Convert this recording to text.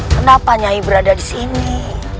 kenapa nyai berada di sini